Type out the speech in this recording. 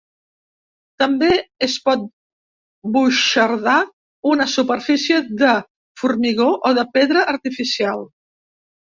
També es pot buixardar una superfície de formigó o de pedra artificial.